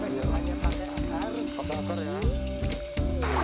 ini adalah lantai yang paling besar